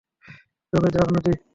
জমে যাওয়া নদী!